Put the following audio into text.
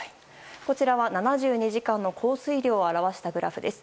こちらは７２時間の降水量を表したグラフです。